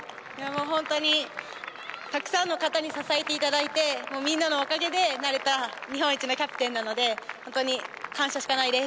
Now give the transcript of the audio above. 本当にたくさんの方に支えていただいて皆のおかげでなれた日本一のキャプテンなので本当に感謝しかないです。